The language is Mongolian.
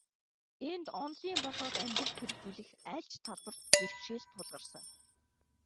Энд, онолын болоод амьдралд хэрэгжүүлэх аль ч талбарт бэрхшээл тулгарсан.